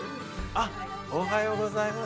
おはようございます。